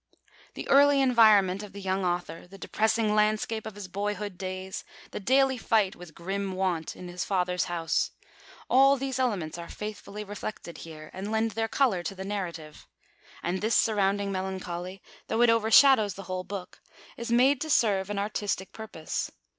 The early environment of the young author, the depressing landscape of his boyhood days, the daily fight with grim want in his father's house all these elements are faithfully reflected here, and lend their colour to the narrative. And this surrounding melancholy, though it overshadows the whole book, is made to serve an artistic purpose.